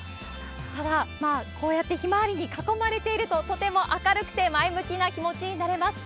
ただ、こうやってヒマワリに囲まれていると、とても明るくて前向きな気持ちになれます。